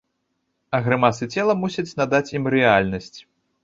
А грымасы цела мусяць надаць ім рэальнасць.